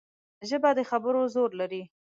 ژبه د خبرو زور لري